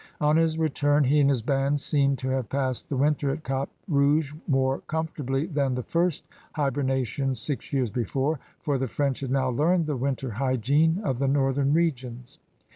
On his return he and his band seem to have passed the winter at Cap Rouge more comfortably than the first hibernation six years before, for the French had now learned the winter hygiene of the northern regions.